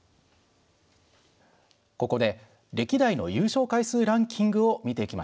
ここで歴代の優勝回数ランキングを見ていきましょう。